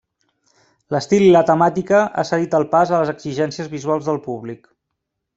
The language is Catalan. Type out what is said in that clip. L'estil i la temàtica, ha cedit el pas a les exigències visuals del públic.